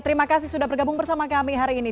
terima kasih sudah bergabung bersama kami hari ini